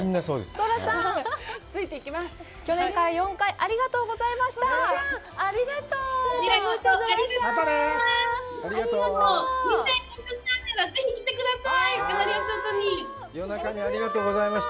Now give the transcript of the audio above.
ソラさん、去年から４回、ありがとうございました。